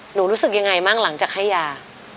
รู้สึกยังไงบ้างหลังจากให้ยา